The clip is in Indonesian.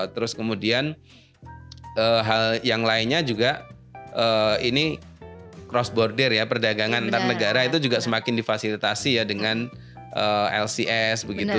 terus kemudian hal yang lainnya juga ini cross border ya perdagangan antar negara itu juga semakin difasilitasi ya dengan lcs begitu